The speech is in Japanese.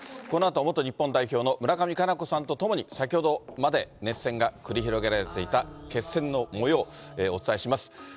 このあとは元日本代表の村上佳菜子さんとともに、先ほどまで熱戦が繰り広げられていた決選のもよう、お伝えします。